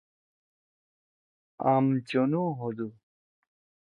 آم چونو ہودُو۔